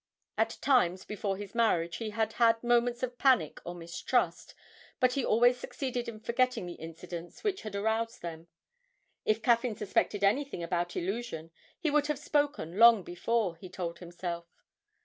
At times before his marriage he had had moments of panic or mistrust, but he always succeeded in forgetting the incidents which had aroused them. If Caffyn suspected anything about 'Illusion' he would have spoken long before, he told himself.